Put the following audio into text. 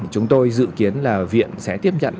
chúng tôi dự kiến là viện sẽ tiếp nhận